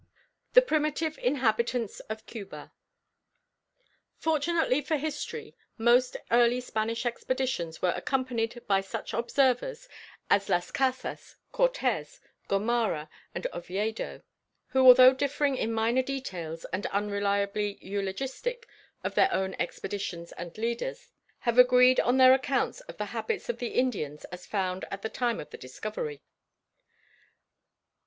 THE PRIMITIVE INHABITANTS OF CUBA Fortunately for history, most early Spanish expeditions were accompanied by such observers as Las Casas, Cortés, Gomara and Oviedo, who although differing in minor details and unreliably eulogistic of their own expeditions and leaders have agreed on their accounts of the habits of the Indians as found at the time of the discovery.